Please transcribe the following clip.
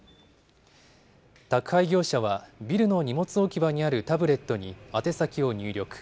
宅配業者はビルの荷物置き場にあるタブレットに宛先を入力。